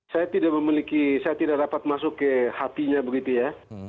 saya tidak memiliki saya tidak dapat masuk ke hatinya begitu ya